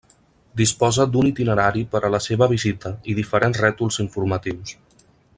Disposa d'un itinerari per a la seva visita i diferents rètols informatius.